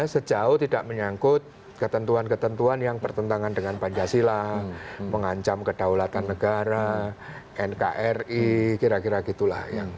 sejauh tidak menyangkut ketentuan ketentuan yang bertentangan dengan pancasila mengancam kedaulatan negara nkri kira kira gitu lah